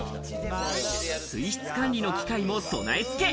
水質管理の機械も備え付け。